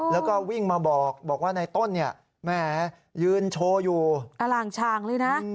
แล้วก็วิ่งมาบอกว่าในต้นเนี่ยแหมยืนโชว์อยู่อล่างชางเลยนะ